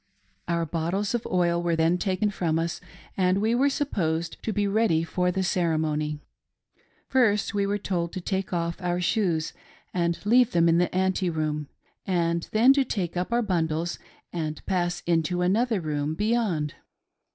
Our bottles of oil were then taken from us, and we were supposed to he ready for the Ceremony. First we were told to take off our shoes and leave them in the ante room, and then to take up our bundles and pass into another room beyond.